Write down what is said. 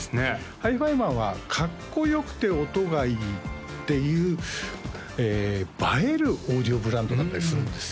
ＨＩＦＩＭＡＮはかっこよくて音がいいっていう映えるオーディオブランドだったりするんですよ